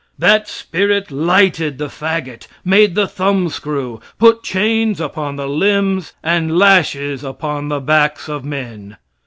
That spirit lighted the fagot, made the thumbscrew, put chains upon the limbs, and lashes upon the backs of men.